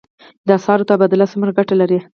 د اسعارو تبادله څومره ګټه لري؟